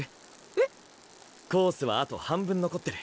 えっ⁉コースはあと半分残ってる。